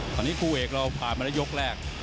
ตอนนี้คู่เอกเราพาไปละยกแรก